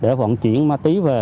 để vận chuyển ma túy về